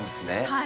はい。